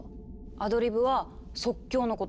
アドリブは「即興」のこと。